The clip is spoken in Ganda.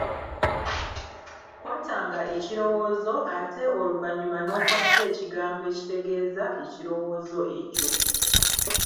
Kwatanga ekirowoozo ate oluvannyuma n'okwata ekigambo ekitegeeza ekirowoozo ekyo.